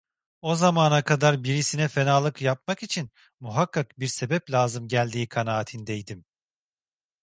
O zamana kadar birisine fenalık yapmak için muhakkak bir sebep lazım geldiği kanaatindeydim.